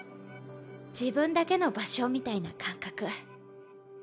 自分だけの場所みたいな感覚。